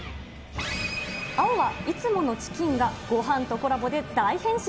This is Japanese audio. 青はいつものチキンが、ごはんとコラボで大変身。